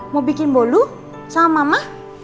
mau bikin bolu sama mama